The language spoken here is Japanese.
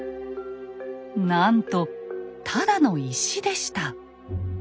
なんとただの「石」でした。